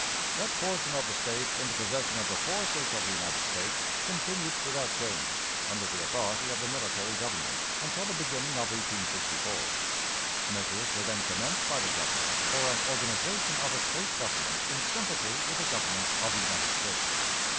That portion of the State in the possession of the forces of the United States continued without change, under the authority of the military Governor, until the beginning of 1864. Measures were then commenced by the Governor for an organization of a State government in sympathy with the Government of the United States.